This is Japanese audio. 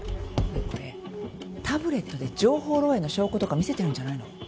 これタブレットで情報漏洩の証拠とか見せてるんじゃないの？